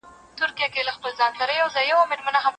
داسي ډېر یې زما په څېر دي له جنډۍ سره هېر کړي